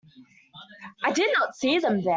I did not see them there.